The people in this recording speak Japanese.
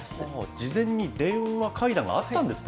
事前に電話会談があったんですね。